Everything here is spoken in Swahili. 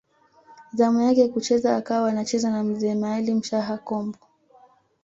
Zamu yake kucheza akawa anacheza na Mzee Maalim Shaha Kombo